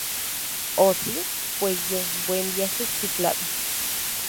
¿ Oh, si? Pues bien, buen viaje, chiflado.